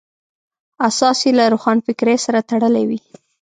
اساس یې له روښانفکرۍ سره تړلی وي.